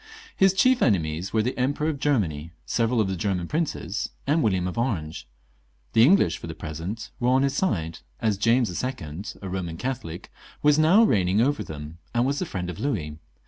His chief enemies were the Emperor of Germany, several of the Grerman princes, and William of Orange ; the English, for the present, were on his side, as James II., a Eoman Catholic, was now reigning over them, and was the friend of Louis.